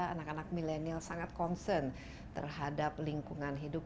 anak anak milenial sangat concern terhadap lingkungan hidup